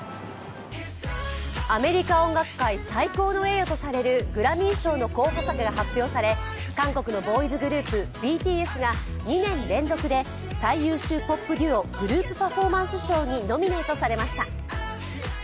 アメリカ音楽界最高の栄誉とされるグラミー賞の候補作が発表され韓国のボーイズグループ、ＢＴＳが最優秀ポップ・デュオ／グループ・パフォーマンス賞にノミネートされました。